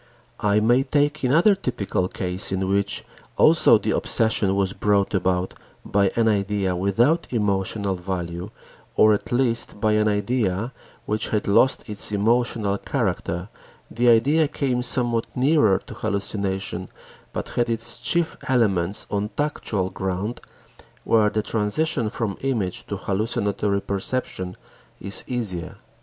I may take another typical case in which also the obsession was brought about by an idea without emotional value or at least by an idea which had lost its emotional character; the idea came somewhat nearer to hallucination, but had its chief elements on tactual ground where the transition from image to hallucinatory perception is easier.